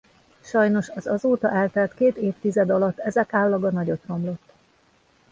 Sajnos az azóta eltelt két évtized alatt ezek állaga nagyot romlott.